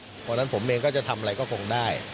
เพราะฉะนั้นผมเองก็จะทำอะไรก็คงได้